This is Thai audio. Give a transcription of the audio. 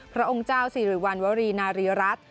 พระองค์เจ้าสิริวัณวรีนารีรัฐ